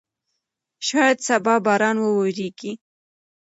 شاید سبا باران وورېږي.